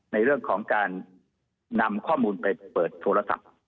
ในเรื่องของการนำข้อมูลไปเปิดโทรศัพท์